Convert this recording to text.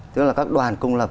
tức là các đoàn công lập